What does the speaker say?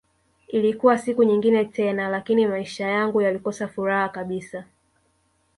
Ilikuwa siku nyingine tena lakini maisha yangu yalikosa furaha kabisa